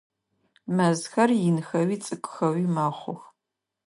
Мэзхэр инхэуи цӏыкӏухэуи мэхъух.